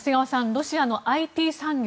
ロシアのＩＴ産業